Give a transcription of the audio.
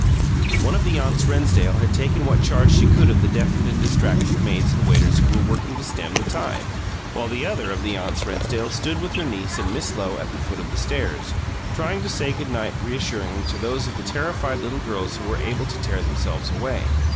One of the aunts Rennsdale had taken what charge she could of the deafened and distracted maids and waiters who were working to stem the tide, while the other of the aunts Rennsdale stood with her niece and Miss Lowe at the foot of the stairs, trying to say good night reassuringly to those of the terrified little girls who were able to tear themselves away.